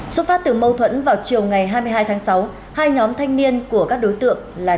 xuất phát từ mâu thuẫn vào chiều ngày hai mươi hai tháng sáu hai nhóm thanh niên của các đối tượng là